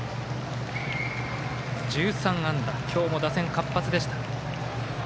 １３安打、今日も打線活発でした。